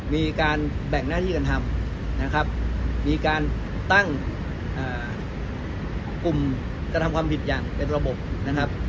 มีการแบ่งหน้าที่กันทำนะครับมีการตั้งกลุ่มกระทำความผิดอย่างเป็นระบบนะครับ